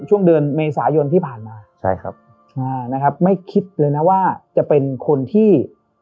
ช่วงเดือนเมษายนที่ผ่านมาใช่ครับอ่านะครับไม่คิดเลยนะว่าจะเป็นคนที่